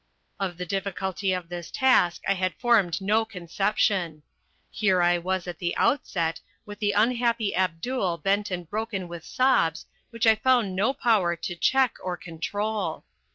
Of the difficulty of this task I had formed no conception. Here I was at the outset, with the unhappy Abdul bent and broken with sobs which I found no power to check or control.